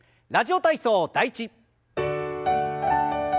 「ラジオ体操第１」。